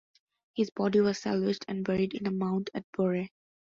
His body was salvaged and buried in a mound at Borre.